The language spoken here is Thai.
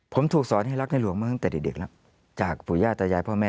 ผมถูกสอนให้รักในหลวงมาตั้งแต่เด็กแล้วจากปู่ย่าตายายพ่อแม่